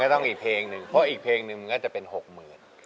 ต้องอีกเพลงหนึ่งเพราะอีกเพลงหนึ่งมันก็จะเป็น๖๐๐๐บาท